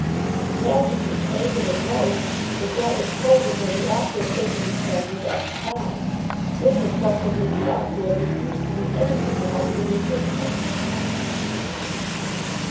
But the passage which angered him most was that which told him that he ought to have taken his family back to town. This had come from his son, who had refused to do anything to help him in his difficulties.